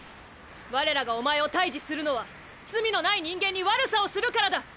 我らがおまえを退治するのは罪のない人間に悪さをするからだ！